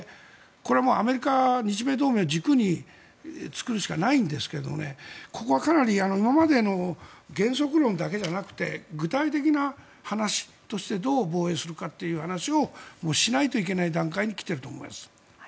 これはアメリカ、日米同盟を軸に作るしかないんですけどここはかなり今までの原則論だけじゃなくて具体的な話としてどう防衛するかっていう話をしないといけない段階に来ていると思います。